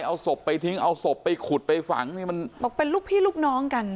เอาศพไปทิ้งเอาศพไปขุดไปฝังเนี่ยมันบอกเป็นลูกพี่ลูกน้องกัน